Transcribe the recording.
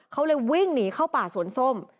เขาเลยวิ่งหนีเข้าป่าสวนส้ม